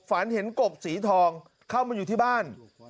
ฝันเห็นกบสีทองเข้ามาอยู่ที่บ้าน